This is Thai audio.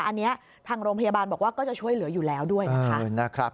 อันนี้ทางโรงพยาบาลบอกว่าก็จะช่วยเหลืออยู่แล้วด้วยนะคะ